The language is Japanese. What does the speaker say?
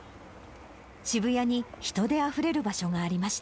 渋谷に人であふれる場所がありました。